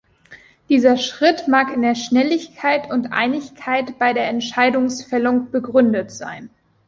Dieser Schritt mag in der Schnelligkeit und Einigkeit bei der Entscheidungsfällung begründet sein.